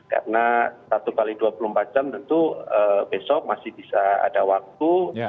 karena satu x dua puluh empat jam tentu besok masih bisa ada waktu